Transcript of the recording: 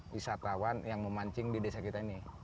wisatawan yang memancing di desa kita ini